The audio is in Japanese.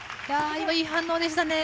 今のいい反応でしたね。